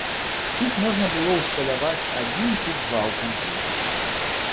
Іх можна было ўсталяваць адзін ці два ў камп'ютар.